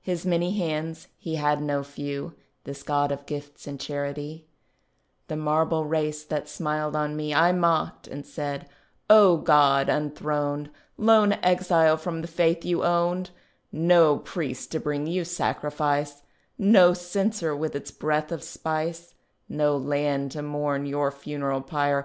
His many hands (he had no few, This God of gifts and charity), The marble race, that smiled on me, I mocked, and said, "O God unthroned, Lone exile from the faith you owned, No priest to bring you sacrifice, No censer with its breath of spice, No land to mourn your funeral pyre.